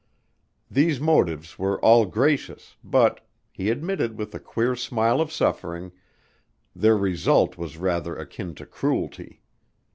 These motives were all gracious, but, he admitted with a queer smile of suffering, their result was rather akin to cruelty.